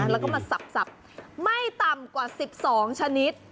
แล้วก็มาสับไม่ต่ำกว่า๑๒ชนิด